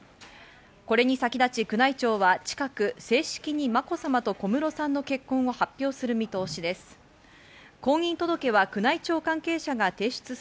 これに先立ち宮内庁は近く正式にまこさまと小室さんの結婚を発表する見通しです。